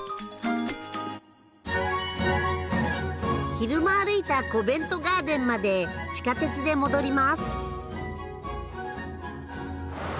昼間歩いたコベントガーデンまで地下鉄で戻ります。